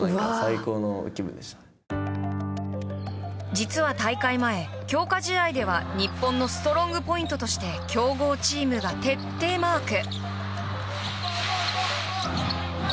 実は大会前、強化試合では日本のストロングポイントとして強豪チームが徹底マーク。